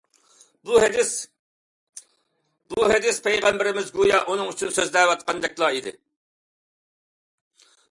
بۇ ھەدىسنى پەيغەمبىرىمىز گويا ئۇنىڭ ئۈچۈن سۆزلەۋاتقاندەكلا ئىدى.